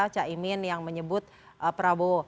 caimin yang menyebut prabowo